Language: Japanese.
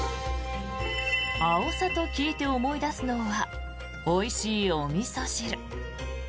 アオサと聞いて思い出すのはおいしいおみそ汁。